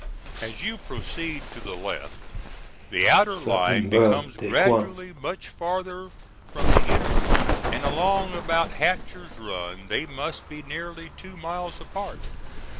As you proceed to the left the outer line becomes gradually much farther from the inner one, and along about Hatcher's Run they must be nearly two miles apart.